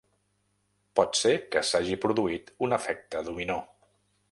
Pot ser que s’hagi produït un efecte dominó.